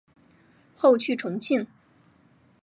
后去重庆。